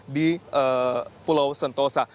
di pulau sentosa